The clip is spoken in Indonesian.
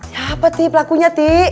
siapa pelakunya ti